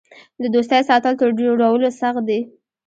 د دوستۍ ساتل تر جوړولو سخت دي.